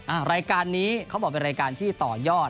รายการนี้เขาบอกเป็นรายการที่ต่อยอด